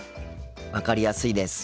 分かりやすいです。